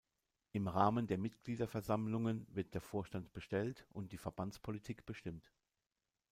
Im Rahmen der Mitgliederversammlungen wird der Vorstand bestellt und die Verbandspolitik bestimmt.